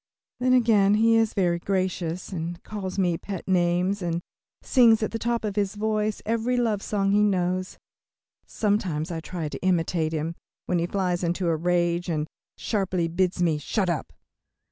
Then again he is very gracious, and calls me pet names, and sings at the top of his voice every love song he knows. Sometimes I try to imitate him, when he flies into a rage and sharply bids me "shut up."